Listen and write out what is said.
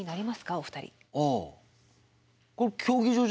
お二人。